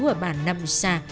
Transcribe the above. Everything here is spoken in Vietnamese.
ở bản năm xà